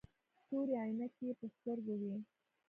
تورې عينکې يې په سترګو وې.